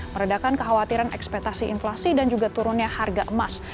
meredakan kekhawatiran ekspetasi inflasi dan juga turunnya harga emas